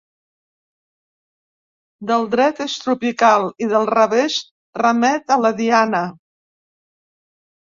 Del dret és tropical i del revés remet a la Diana.